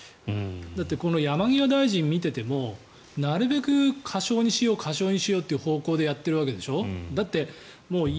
だって、この山際大臣を見ててもなるべく過小にしよう過小にしようという方向でやってるわけでしょ。